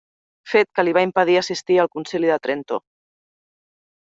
Fet que li va impedir assistir al concili de Trento.